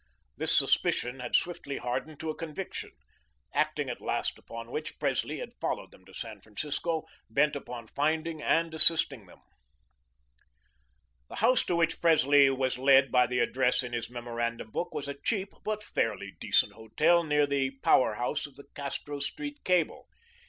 This suspicion had swiftly hardened to a conviction, acting at last upon which Presley had followed them to San Francisco, bent upon finding and assisting them. The house to which Presley was led by the address in his memorandum book was a cheap but fairly decent hotel near the power house of the Castro Street cable.